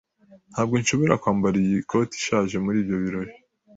Ntabwo nshobora kwambara iyi koti ishaje muri ibyo birori.